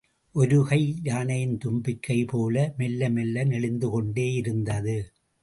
ஒரு கை, யானையின் தும்பிக்கை போல மெல்ல மெல்ல நெளிந்து கொண்டே யிருந்தது.